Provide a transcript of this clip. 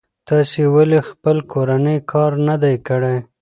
تاسې ولې خپل کورنی کار نه دی کړی؟